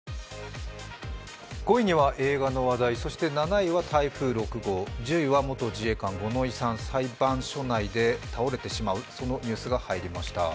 ５位には映画の話題、７位は台風６号、１０位は元自衛官・五ノ井さん、裁判所内で倒れてしまう、そのニュースが入りました。